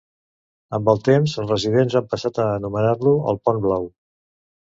Amb el temps, els residents han passat a anomenar-lo el Pont Blau.